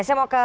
saya mau ke